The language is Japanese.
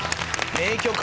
名曲。